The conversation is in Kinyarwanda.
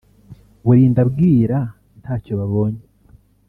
burinda bwira ntayo babonye